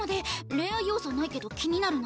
恋愛要素はないけど気になるな。